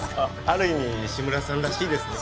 ある意味志村さんらしいですね